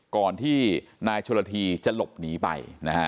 ก่อนที่นายโชลธีจะหลบหนีไป